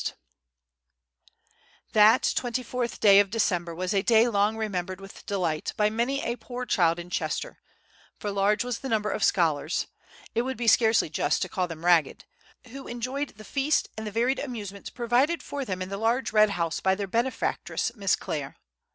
That twenty fourth day of December was a day long remembered with delight by many a poor child in Chester, for large was the number of scholars (it would be scarcely just to call them ragged) who enjoyed the feast and the varied amusements provided for them in the large red house by their benefactress, Miss Clare.